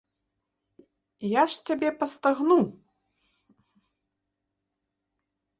Я ж цябе пастагну!